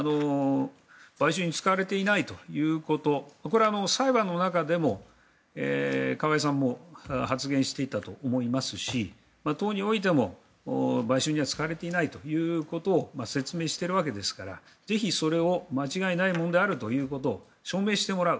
買収に使われていないということこれは裁判の中でも河井さんも発言していたと思いますし党においても買収には使われていないということを説明しているわけですからぜひ、それを間違いないものであるということを証明してもらう。